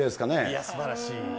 いや、すばらしい。